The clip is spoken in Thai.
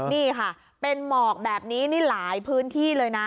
นี่ค่ะเป็นหมอกแบบนี้นี่หลายพื้นที่เลยนะ